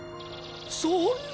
そんな。